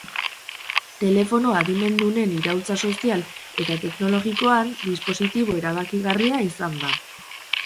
Telefono adimendunen iraultza sozial eta teknologikoan dispositibo erabakigarria izan da.